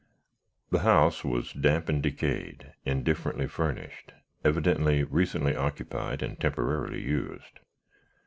The house was damp and decayed, indifferently furnished evidently, recently occupied and temporarily used.